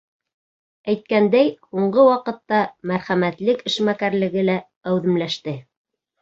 Әйткәндәй, һуңғы ваҡытта мәрхәмәтлек эшмәкәрлеге лә әүҙемләште.